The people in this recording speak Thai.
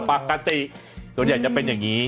ป่าการตีตัวเองจะเป็นอย่างนี้